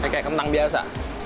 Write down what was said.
kayak kentang biasa